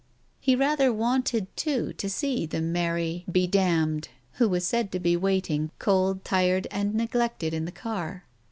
He rather wanted, too, to see the Mary "be damned" who was said to be waiting, cold, tired, and neglected in the car.